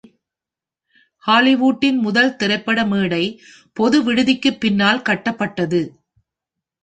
ஹாலிவுட்டின் முதல் திரைப்பட மேடை பொதுவிடுதிக்குப் பின்னால் கட்டப்பட்டது.